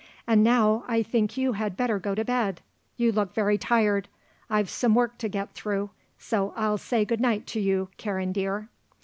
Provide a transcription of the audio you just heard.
"And now I think you had better go to bed. You look very tired. I've some work to get through, so I'll say good night to you, Karen dear."